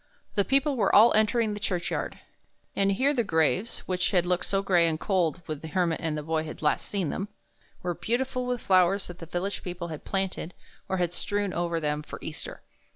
The people were all entering the churchyard; and here the graves, which had looked so gray and cold when the Hermit and the Boy had last seen them, were beauti ful with flowers that the village people had planted or had strewn over them for Easter.